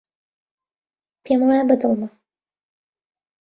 پێم وایە بەدڵمە.